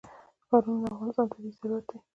ښارونه د افغانستان طبعي ثروت دی.